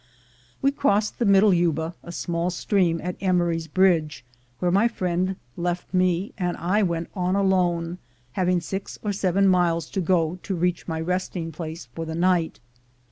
We crossed the Middle Yuba, a small stream, at Emery's Bridge, where my friend left me, and I went on alone, having six or seven miles to go to reach my resting place for the night.